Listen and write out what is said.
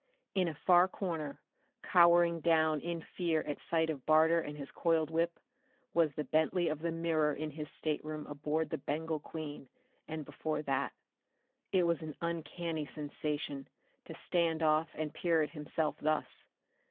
In a far corner, cowering down in fear at sight of Barter and his coiled whip was the Bentley of the mirror in his stateroom aboard the Bengal Queen, and before that. It was an uncanny sensation, to stand off and peer at himself thus.